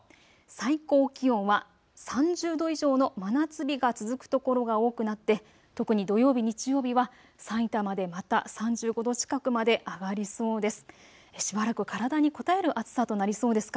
最高気温は３０度以上の真夏日が続く所が多くなって、特に土曜日、日曜日はさいたまで、また３５度近くまで上がりそうです。